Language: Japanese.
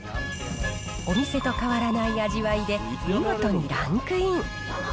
お店と変わらない味わいで、見事にランクイン。